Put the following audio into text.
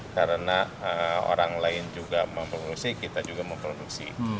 karena orang lain juga memproduksi kita juga memproduksi